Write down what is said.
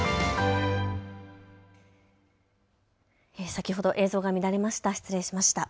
先ほど映像が乱れました。